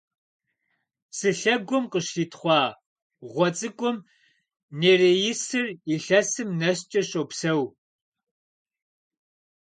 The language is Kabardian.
Псы лъэгум къыщритхъуа гъуэ цӀыкӀум нереисыр илъэсым нэскӀэ щопсэу.